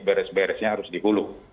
beres beresnya harus di hulu